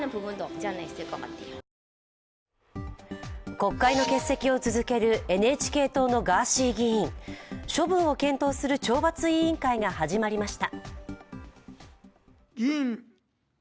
国会の欠席を続けるＮＨＫ党のガーシー議員、処分を検討する懲罰委員会が始まりました。